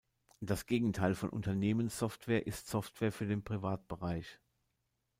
Das Gegenteil von Unternehmenssoftware ist Software für den Privatbereich.